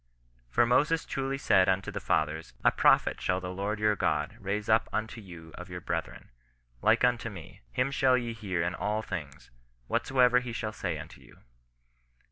For Moses truly said unto the fathers, a Prophet shall the Lord your God raise up unto you of your brethren, like unto me ; him shall ye hear in all things, whatsoever he shall say unto you.